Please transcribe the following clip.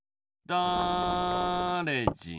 だれじん